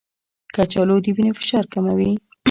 کچالو د وینې فشار کموي.